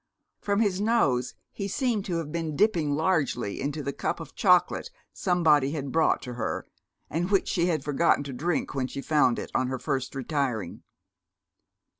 From his nose he seemed to have been dipping largely into the cup of chocolate somebody had brought to her, and which she had forgotten to drink when she found it, on her first retiring.